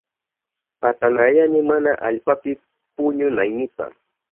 Patanayani mana allpapi puñunaynipa.